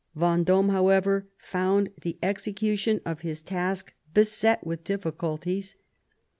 Venddme, however, found the execution of his task beset with diflBculties.